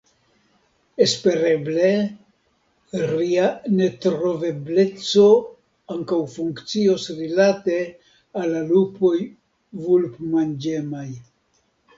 Espereble, ria netrovebleco ankaŭ funkcios rilate al la lupoj vulpmanĝemaj.